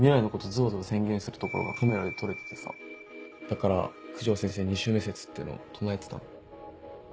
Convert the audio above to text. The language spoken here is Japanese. ズバズバ宣言するところがカメラで撮れててさだから九条先生２周目説ってのを唱えてたの。